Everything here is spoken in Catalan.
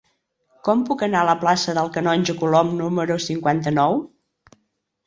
Com puc anar a la plaça del Canonge Colom número cinquanta-nou?